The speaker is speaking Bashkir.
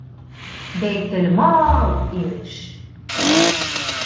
Бәйтелмал, имеш...